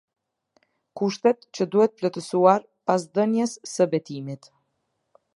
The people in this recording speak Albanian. Kushtet që duhet plotësuar pas dhënies së betimit.